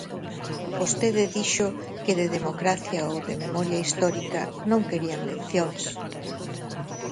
Vostede dixo que de democracia ou de memoria histórica non querían leccións.